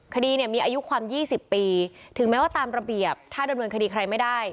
คดีเนี่ยมีอายุความ๒๐ปีถึงแม้ว่าตามระเบียบถ้าดำเนินคดีใครไม่ได้